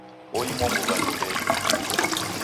Oimwa mbuw'a ni Ndee.